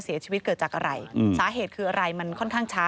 เสียชีวิตเกิดจากอะไรสาเหตุคืออะไรมันค่อนข้างช้า